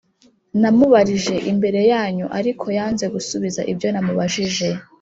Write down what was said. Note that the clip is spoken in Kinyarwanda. namubarije imbere yanyu ariko yanze gusubiza ibyo namubajije